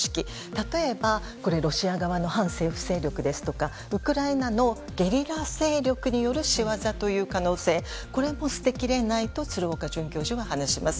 例えばロシアの反政府勢力ですとかウクライナのゲリラ勢力による仕業という可能性も捨てきれないと鶴岡准教授は話します。